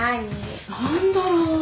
何だろう？